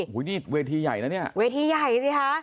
นะคะเมื่อที่ใหญ่สังใจนะว่า